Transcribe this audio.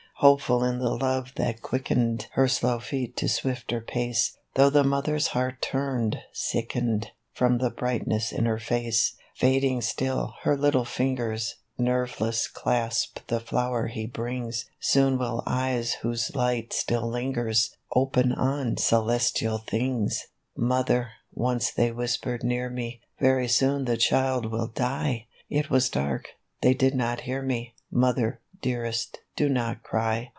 Hopeful in the love that quickened Her slow feet to swifter pace, Though the Mother's heart turned, sickened, From the brightness in her face. Fading still, her little fingers Nerveless clasp the flower he brings; Soon will eyes whose light still lingers, Open on celestial things! 28 A EUN" ON THE BEACH. " Mother! once they whispered near me, 'Very soon the child will die!' It was dark, they did not hear me; Mother, dearest, do not cry